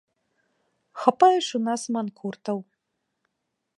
Хапае ж у нас манкуртаў.